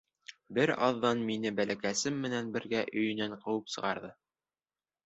Бер аҙҙан мине бәләкәсем менән бергә өйөнән ҡыуып сығарҙы.